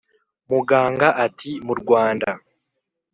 muganga ati"mu rwanda"